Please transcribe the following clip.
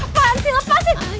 apaan sih lepasin